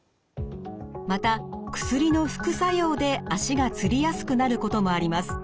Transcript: また薬の副作用で足がつりやすくなることもあります。